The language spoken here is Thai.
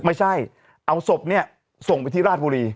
ไม่ใช่เอาศพเนี่ยส่งไปที่ราชบุรี